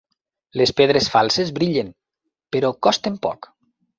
Les pedres falses brillen, però costen poc.